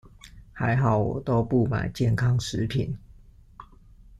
還好我都不買健康食品